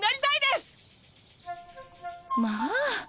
まあ。